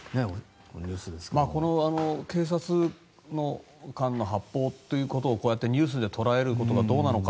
この警察官の発砲というのをこうやってニュースで捉えることがどうなのか。